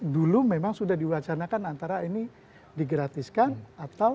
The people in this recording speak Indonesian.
dulu memang sudah diwacanakan antara ini digratiskan atau